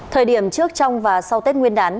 thời điểm trước trong và sau tết nguyên đán